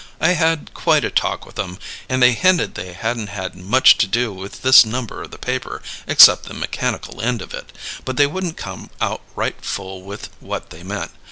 I had quite a talk with 'em and they hinted they hadn't had much to do with this number of the paper, except the mechanical end of it; but they wouldn't come out right full with what they meant.